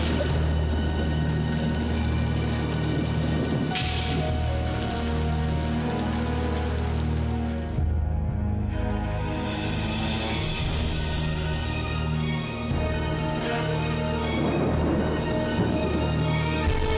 tayang pc ini nggak koachtein muebik